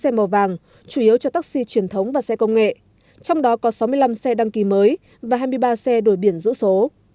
hai xe màu vàng chủ yếu cho taxi truyền thống và xe công nghệ trong đó có sáu mươi năm xe đăng ký mới và hai mươi ba xe đổi biển giữ số